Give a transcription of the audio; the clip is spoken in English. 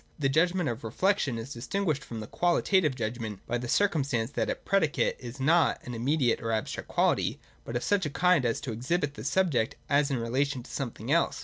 The Judgment of Reflection is distinguished from the Qualitative judgment by the circumstance that its predicate is not an immediate or abstract quality, but of such a kind as to exhibit the subject as in relation to something else.